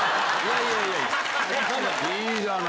いいじゃない。